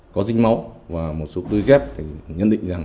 có rinh máu và một số đôi dép thì nhận định rằng